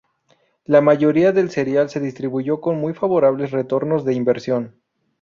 La mayoría del serial se distribuyó con muy favorables retornos de inversión.